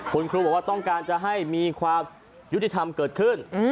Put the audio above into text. คุณครูบอกว่าต้องการจะให้มีความยุติธรรมเกิดขึ้น